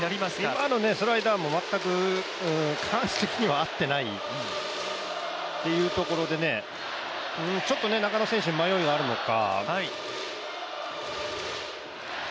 今のスライダーも全く感覚的には合ってないというところでちょっと中野選手、迷いがあるのか。